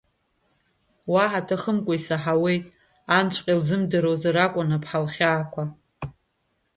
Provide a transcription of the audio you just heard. Уаҳа ҭахымкәа исаҳауеит, анҵәҟьа илзымдыруазар акәын аԥҳа лхьаақәа.